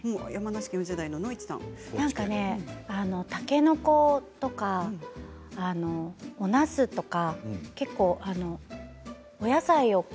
なんかね、たけのことかおなすとかお野菜を。